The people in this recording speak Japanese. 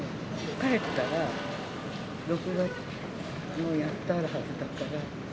帰ったら録画の、やってあるはずだから。